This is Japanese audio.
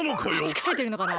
つかれてるのかな。